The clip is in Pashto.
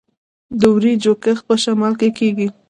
د وریجو کښت په شمال کې کیږي.